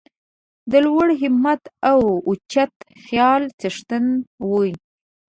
د لوړ همت او اوچت خیال څښتن وي.